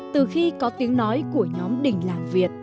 từ khi có tiếng nói của nhóm đình làng việt